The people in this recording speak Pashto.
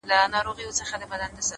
• چي پر سر باندي یې وکتل ښکرونه ,